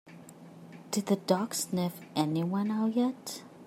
Did the dog sniff anyone out yet?